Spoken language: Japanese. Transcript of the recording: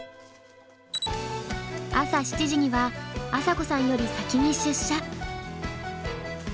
朝７時には朝紗子さんより先に出社。